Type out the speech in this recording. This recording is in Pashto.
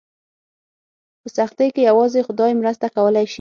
په سختۍ کې یوازې خدای مرسته کولی شي.